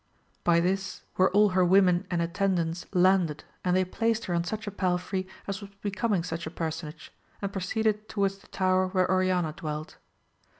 By this were all her women and attendants landed, and they placed her on such a palfrey as was becoming such a personage, and proceeded towards the tower where Oriana dwelt.